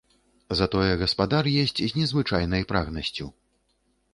Затое гаспадар есць з незвычайнай прагнасцю.